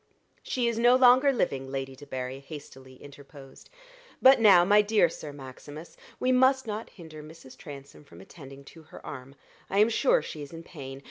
"She is no longer living," Lady Debarry hastily interposed; "but now, my dear Sir Maximus, we must not hinder Mrs. Transome from attending to her arm. I am sure she is in pain.